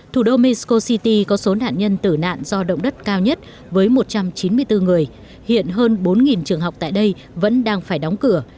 thủ đô mexico city có số nạn nhân tử nạn do động đất cao nhất với một trăm chín mươi bốn người hiện hơn bốn trường học tại đây vẫn đang phải đóng cửa